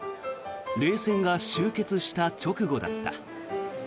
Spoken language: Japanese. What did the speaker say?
冷戦が終結した直後だった。